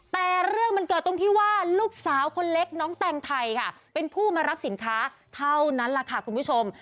แต่เรื่องมันเกิดตรงที่ว่าลูกสาวคนเล็กน้องแตงไทยค่ะเป็นผู้มารับสินค้าเท่านั้นแหละค่ะคุณผู้ชม